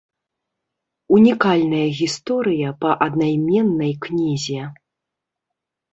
Унікальная гісторыя па аднайменнай кнізе.